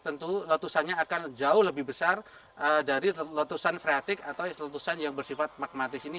tentu letusannya akan jauh lebih besar dari letusan freatik atau letusan yang bersifat magmatis ini